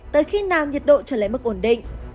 tới khi nào nhiệt độ trở lại mức ổn định